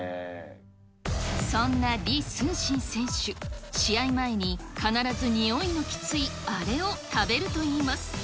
そんな李承信選手、試合前に、必ずにおいのきついあれを食べるといいます。